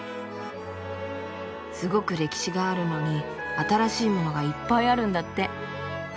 すごく歴史があるのに新しいものがいっぱいあるんだって。